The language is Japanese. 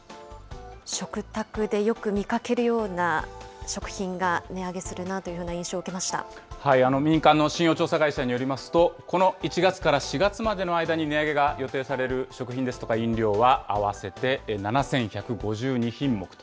食卓でよく見かけるような食品が値上げするなという印象を受民間の信用調査会社によりますと、この１月から４月までの間に値上げが予定される食品ですとか飲料は合わせて７１５２品目と。